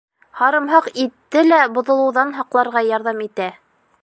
Һарымһаҡ итте лә боҙолоуҙан һаҡларға ярҙам итә.